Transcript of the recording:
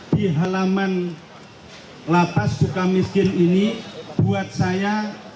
di halaman lapas suka miskin ini buat saya